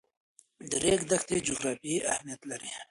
د ریګ دښتې جغرافیایي اهمیت لري.